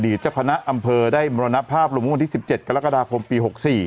เจ้าคณะอำเภอได้มรณภาพลงเมื่อวันที่๑๗กรกฎาคมปี๖๔